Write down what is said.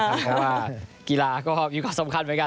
เพราะว่ากีฬาก็มีความสำคัญเหมือนกัน